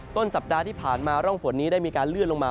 ต้นสัปดาห์ที่ผ่านมาร่องฝนนี้ได้มีการเลื่อนลงมา